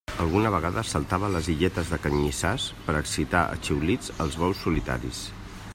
Alguna vegada saltava a les illetes de canyissars per a excitar a xiulits els bous solitaris.